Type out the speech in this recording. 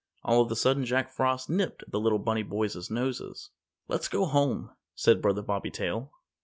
All of a sudden Jack Frost nipped the little bunny boys' noses. "Let's go home," said Brother Bobby Tail.